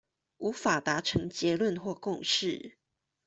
無法達成結論或共識